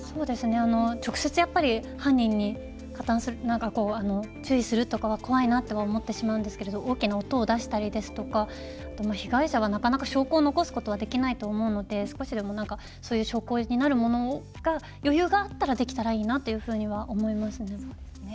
直接、犯人に注意するとかは怖いなって思ってしまうんですけれど大きな音を出したりですとか被害者がなかなか証拠を残すことはできないと思うので少しでも証拠になるものが余裕があったらできたらいいなというふうには思いますね。